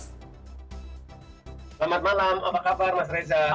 selamat malam apa kabar mas reza